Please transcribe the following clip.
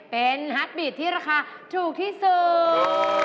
เป็นฮัตบีดที่ราคาถูกที่สุด